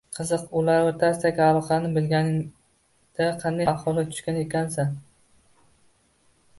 Qiziq, ular o`rtasidagi aloqani bilganingda qanday ahvolga tushgan ekansan